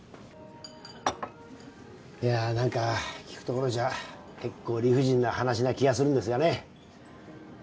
いやあ何か聞くところじゃ結構理不尽な話な気がするんですがね